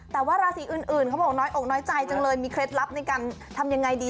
แต่ว่าราศีอื่นเขาบอกน้อยอกน้อยใจจังเลยมีเคล็ดลับในการทำยังไงดี